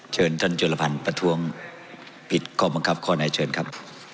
เชิญท่านจุลพันธ์ประท้วงผิดข้อบังคับข้อไหนเชิญครับ